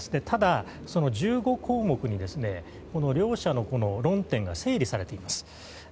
ただ、１５項目に両者の論点が整理されています。